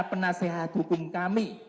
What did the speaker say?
penasehat hukum kami